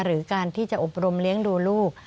หรือการที่จะอบรมเลี้ยงดูลูก